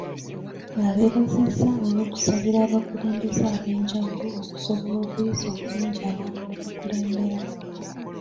Abeebazizza olw'okusabira abakulembeze ab'enjawulo okusobola okuyisa obulungi abantu be bakulembera.